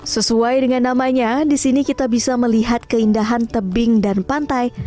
sesuai dengan namanya di sini kita bisa melihat keindahan tebing dan pantai